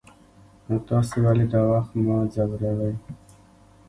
نو تاسې ولې دا وخت ما ځوروئ.